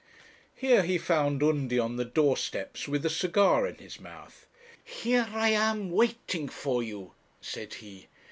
Here he found Undy on the door steps with a cigar in his mouth. 'Here I am, waiting for you,' said he.